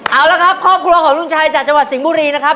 เอาละครับครอบครัวของลุงชัยจากจังหวัดสิงห์บุรีนะครับ